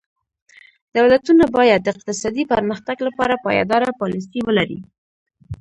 دولتونه باید د اقتصادي پرمختګ لپاره پایداره پالیسي ولري.